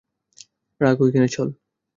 রাখ ঐখানে, চল।